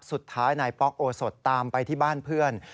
สุดท้ายนายป๊อกโอสดตามไปที่บ้านเพื่อน